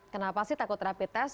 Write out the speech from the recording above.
kenapa sih takut rapid test